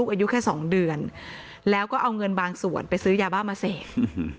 อายุแค่สองเดือนแล้วก็เอาเงินบางส่วนไปซื้อยาบ้ามาเสพ